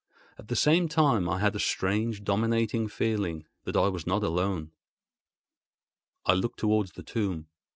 At the same time I had a strange, dominating feeling that I was not alone. I looked towards the tomb.